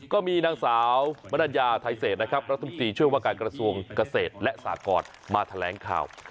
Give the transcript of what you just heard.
ก็มีนางสาวมนัญญาไทยเศษนะครับรัฐมนตรีช่วยว่าการกระทรวงเกษตรและสากรมาแถลงข่าว